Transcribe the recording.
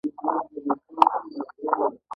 يوه څنګل او دوه څنګلې